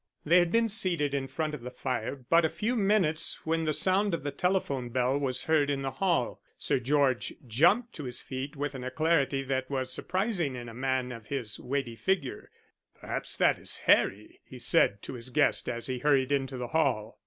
They had been seated in front of the fire but a few minutes when the sound of the telephone bell was heard in the hall. Sir George jumped to his feet with an alacrity that was surprising in a man of his weighty figure. "Perhaps that is Harry," he said to his guest as he hurried into the hall.